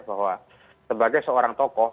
bahwa sebagai seorang tokoh